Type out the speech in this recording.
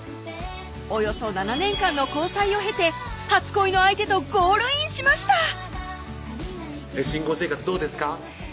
およそ７年間の交際を経て初恋の相手とゴールインしました新婚生活どうですか？